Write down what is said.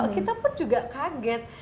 kita pun juga kaget